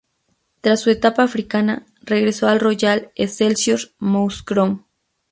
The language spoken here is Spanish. Tras su etapa africana, regresó al Royal Excelsior Mouscron.